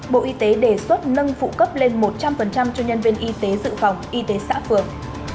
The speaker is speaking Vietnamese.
bộ y tế đề xuất nâng phụ cấp lên một trăm linh cho nhân viên y tế dự phòng y tế xã phường